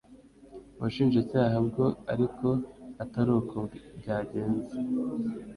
Ubushinjacyaha bwo ariko ataruko byagenze